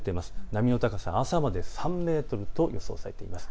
波の高さは朝まで３メートルと予想されています。